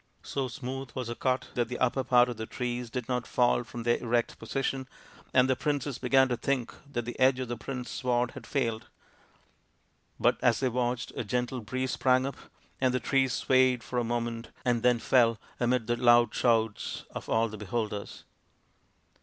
So smooth was the cut that the upper part of the trees did not fall from their erect position, and the princess began to think that the edge of her prince's sword had failed. But as they watched, a gentle breeze sprang up, and the trees swayed for a moment and then fell, amid the loud shouts of all the beholders.